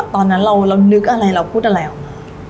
ตอนนั้นเรานึกอะไรเราพูดอะไรออกมา